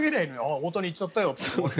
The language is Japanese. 大谷、行っちゃったよって。